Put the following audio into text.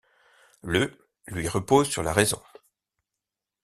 Le ', lui repose sur la raison.